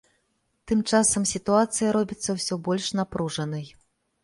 Тым часам сітуацыя робіцца ўсё больш напружанай.